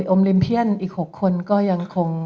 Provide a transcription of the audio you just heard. อมริมเพียนอีก๖คนก็ยังคง